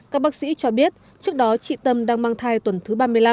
các bác sĩ cho biết trước đó chị tâm đang mang thai tuần thứ ba mươi năm